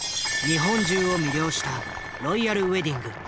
日本中を魅了したロイヤルウエディング。